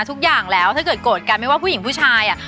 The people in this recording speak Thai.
ทุกอย่างแล้วถ้าเกิดโกรธกันไม่ว่าผู้หญิงผู้ชาย